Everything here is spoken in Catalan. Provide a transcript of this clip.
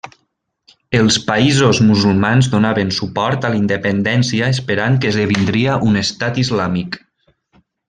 Els països musulmans donaven suport a la independència esperant que esdevindria un estat islàmic.